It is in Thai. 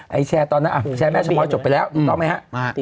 ให้แชร์ตอนนั้นแม่ชะม้อยจบไปแล้วติดปรุ๊บไปแล้ว